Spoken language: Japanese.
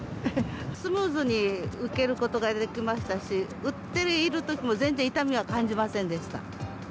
スムーズに受けることができましたし、打っているときも、全然痛みは感じませんでした。